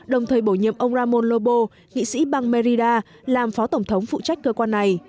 đồng thời bổ nhiệm ông ramon lobo nghị sĩ bang marida làm phó tổng thống phụ trách cơ quan này